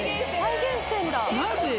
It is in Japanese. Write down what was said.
マジ？